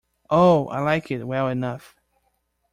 Oh, I like it well enough!